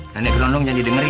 nenek gelondong jangan didengerin